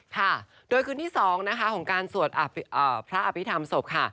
ค่ะโดยคืนที่๒นะคะของการสวดพระอภิษฐรรมศพค่ะ